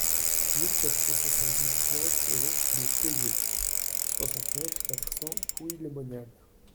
mille quatre cent soixante-dix-neuf route de Theizé, soixante-neuf, quatre cents, Pouilly-le-Monial